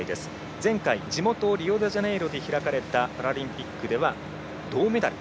前回、地元リオデジャネイロで開かれたパラリンピックでは銅メダル。